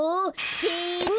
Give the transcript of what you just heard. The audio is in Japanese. せの！